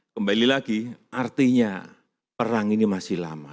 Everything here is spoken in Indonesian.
kembali lagi artinya perang ini masih lama